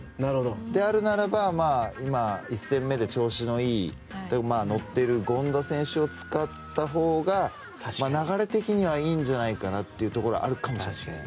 であるならば、今１戦目で調子のいい、乗っている権田選手を使ったほうが流れ的にはいいんじゃないかというところがあるかもしれません。